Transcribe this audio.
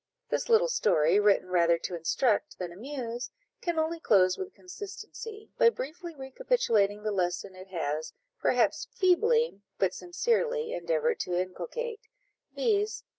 This little story, written rather to instruct than amuse, can only close with consistency, by briefly recapitulating the lesson it has, perhaps feebly, but sincerely, endeavoured to inculcate, viz.